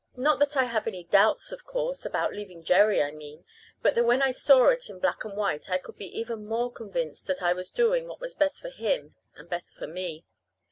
Not that I have any doubts, of course (about leaving Jerry, I mean), but that when I saw it in black and white I could be even more convinced that I was doing what was best for him and best for me.